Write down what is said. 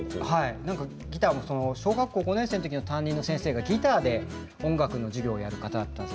小学校５年生の担任の先生がギターで音楽の授業をやる方だったんです。